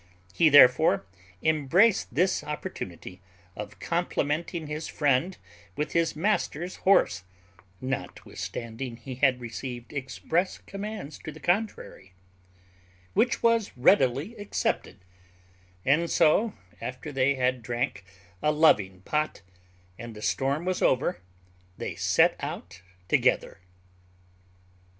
He, therefore, embraced this opportunity of complimenting his friend with his master's horse (notwithstanding he had received express commands to the contrary), which was readily accepted; and so, after they had drank a loving pot, and the storm was over, they set out together.